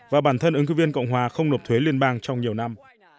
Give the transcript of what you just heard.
và bản thân ứng cử viên cộng hòa không nộp thuế liên bang trong nhiều năm